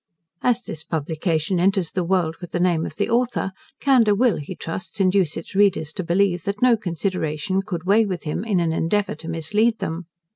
As this publication enters the world with the name of the author, candour will, he trusts, induce its readers to believe, that no consideration could weigh with him in an endeavour to mislead them.